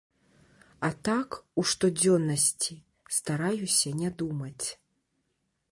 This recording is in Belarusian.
А так, у штодзённасці, стараюся не думаць.